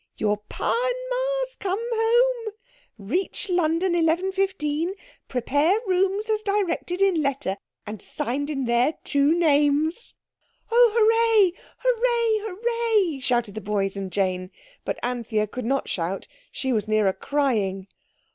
"Your Pa and Ma's come home. 'Reach London 11.15. Prepare rooms as directed in letter', and signed in their two names." "Oh, hooray! hooray! hooray!" shouted the boys and Jane. But Anthea could not shout, she was nearer crying.